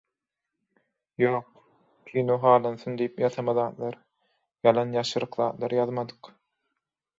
Ýok, kino halansyn diýip ýasama zatlar, ýalan ýaşyryk zatlar ýazmadyk.